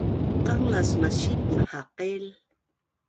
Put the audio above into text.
Qanglas masipul haqil